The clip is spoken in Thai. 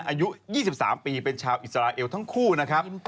อายุ๒๓ปีเป็นชาวอิสราเอลทั้งคู่นะครับ